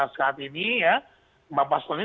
saat ini ya bapak paskual ini